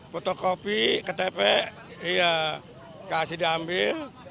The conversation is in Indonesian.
foto kopi ke tp ya kasih diambil